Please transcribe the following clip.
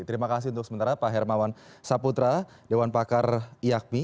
terima kasih untuk sementara pak hermawan saputra dewan pakar iakmi